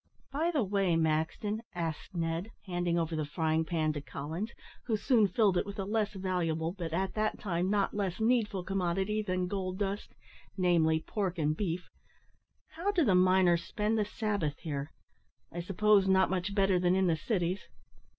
"By the way, Maxton," asked Ned, handing over the frying pan to Collins, who soon filled it with a less valuable, but at that time not less needful commodity than gold dust namely, pork and beef "how do the miners spend the Sabbath here? I suppose not much better than in the cities."